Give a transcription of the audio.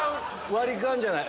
割り勘じゃない。